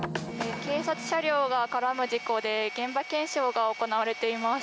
警察車両が絡む事故で現場検証が行われています。